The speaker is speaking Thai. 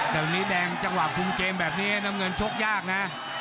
แต่วันนี้แดงจังหวะคุมเกมแบบนี้น้ำเงินชกยากนะ